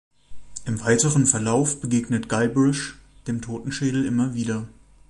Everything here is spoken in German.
Im weiteren Verlauf begegnet Guybrush dem Totenschädel immer wieder.